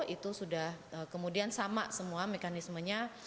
itu sudah kemudian sama semua mekanismenya